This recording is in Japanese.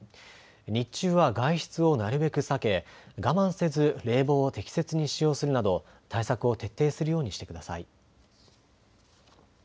日中は外出をなるべく避け我慢せず冷房を適切に使用するなど対策を徹底するようにしてください。